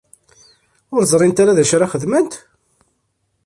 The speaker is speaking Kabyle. Ur ẓrint ara d acu ara xedment?